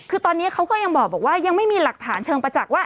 คือตอนนี้เขาก็ยังบอกว่ายังไม่มีหลักฐานเชิงประจักษ์ว่า